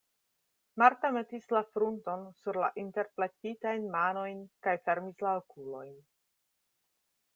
Marta metis la frunton sur la interplektitajn manojn kaj fermis la okulojn.